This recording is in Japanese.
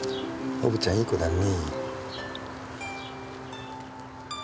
ホブちゃんいい子だね。